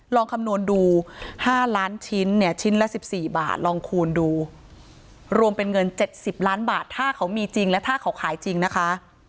ลองคำนวณดู๕ล้านชิ้นเนี่ยชิ้นละ๑๔บาทลองคูณดูรวมเป็นเงิน๗๐ล้านบาทถ้าเขามีจริงและถ้าเขาขายจริงนะคะ